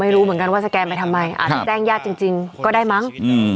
ไม่รู้เหมือนกันว่าจะแกมายังไงครับแจ้งยาจจริงก็ได้มั้ง